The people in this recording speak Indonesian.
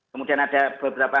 kemudian ada beberapa